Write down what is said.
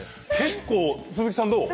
鈴木さん、どう？